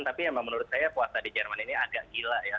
tapi emang menurut saya puasa di jerman ini agak gila ya